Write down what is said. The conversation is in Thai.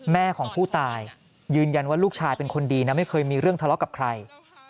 แม่ของผู้ตายยืนยันว่าลูกชายเป็นคนดีนะไม่เคยมีเรื่องทะเลาะกับใคร